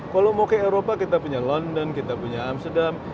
kalau mau ke eropa kita punya london kita punya amsterdam